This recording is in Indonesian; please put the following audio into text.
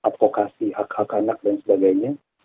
memang berkecimpungan dalam kegiatan advokasi hak hak anak dan sebagainya